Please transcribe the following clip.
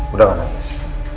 udah gak nangis